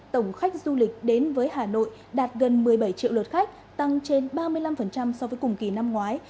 tổng khách du lịch đến với hà nội đạt gần một mươi bảy triệu lượt khách tăng trên ba mươi năm so với cùng kỳ năm ngoái